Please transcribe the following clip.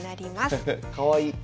かわいい。